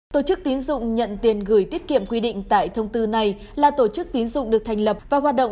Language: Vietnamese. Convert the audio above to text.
tổ chức tín dụng nhận tiền gửi tiết kiệm quy định tại thông tư này là tổ chức tín dụng được thành lập và hoạt động